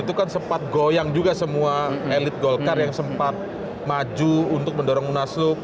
itu kan sempat goyang juga semua elit golkar yang sempat maju untuk mendorong munaslup